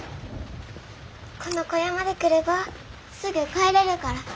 この小屋まで来ればすぐ帰れるから。